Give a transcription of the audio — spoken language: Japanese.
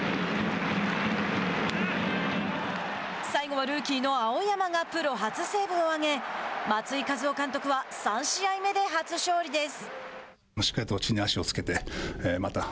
最後はルーキーの青山がプロ初セーブを挙げ松井稼頭央監督は３試合目で初勝利です。